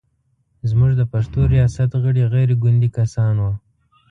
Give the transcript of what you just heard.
زموږ د پښتو ریاست غړي غیر ګوندي کسان و.